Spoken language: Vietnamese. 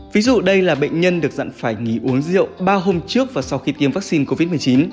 ví dụ đây là bệnh nhân được dặn phải nghỉ uống rượu ba hôm trước và sau khi tiêm vaccine covid một mươi chín